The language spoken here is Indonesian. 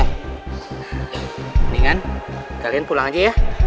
mendingan kalian pulang aja ya